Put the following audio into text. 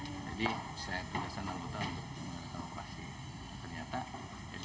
jadi saya berdasarkan anggota untuk mengatur operasi